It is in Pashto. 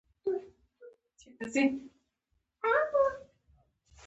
ماشوم مو سر نیولی شي؟